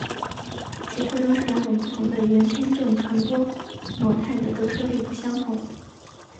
其特性是两种不同的圆偏振传播模态的折射率不相等。